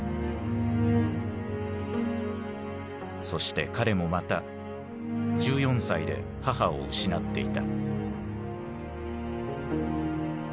そして彼もまた１４歳で母を失っていた。